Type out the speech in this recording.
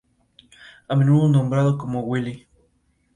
En la ciudad no había prácticamente ninguna empresa de importancia militar.